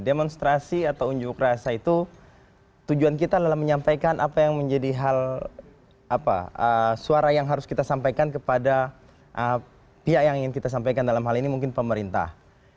demonstrasi atau unjuk rasa itu tujuan kita adalah menyampaikan apa yang menjadi hal suara yang harus kita sampaikan kepada pihak yang ingin kita sampaikan dalam hal ini mungkin pemerintah